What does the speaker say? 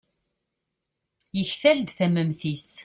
yektal-d tamemt-is